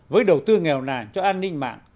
với đầu tư nghèo nàng cho an ninh mạng